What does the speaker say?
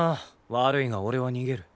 悪いが俺は逃げる。